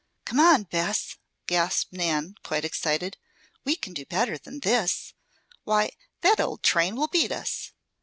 "Come on, Bess!" gasped Nan, quite excited. "We can do better than this! Why, that old train will beat us!"